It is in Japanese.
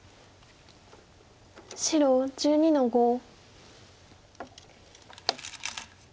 白１２の五。